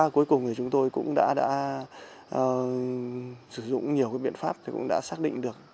cuối cùng chúng tôi cũng đã sử dụng nhiều biện pháp cũng đã xác định được